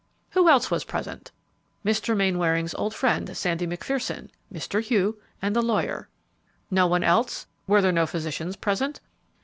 "Who else was present?" "Mr. Mainwaring's old friend, Sandy McPherson, Mr. Hugh, and the lawyer." "No one else? Were there no physicians present?"